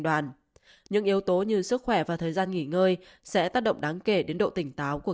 đoàn những yếu tố như sức khỏe và thời gian nghỉ ngơi sẽ tác động đáng kể đến độ tỉnh táo của